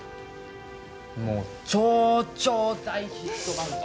もう超超大ヒット漫画！